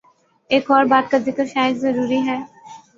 ایک اور بات کا ذکر شاید ضروری ہے۔